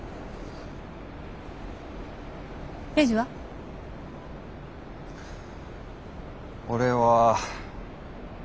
レイジは？俺は。